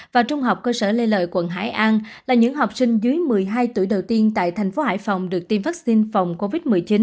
và trung học cơ sở lê lợi quận hải an là những học sinh dưới một mươi hai tuổi đầu tiên tại thành phố hải phòng được tiêm vaccine phòng covid một mươi chín